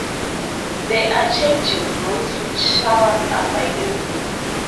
There are changing rooms with showers available.